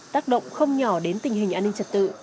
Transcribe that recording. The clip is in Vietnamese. tác động không nhỏ đến tình hình an ninh trật tự